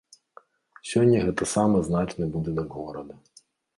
Сёння гэта самы значны будынак горада.